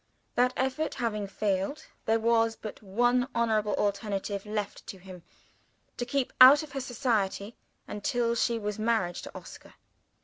That effort having failed, there was but one honorable alternative left to him to keep out of her society, until she was married to Oscar.